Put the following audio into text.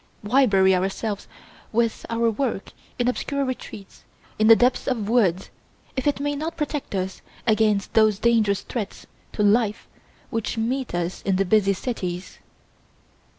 Why bury ourselves with our work in obscure retreats in the depths of woods, if it may not protect us against those dangerous threats to life which meet us in the busy cities?